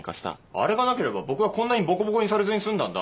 あれがなければ僕はこんなにボコボコにされずに済んだんだ。